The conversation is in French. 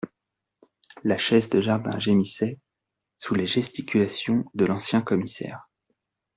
La chaise de jardin gémissait sous les gesticulations de l’ancien commissaire.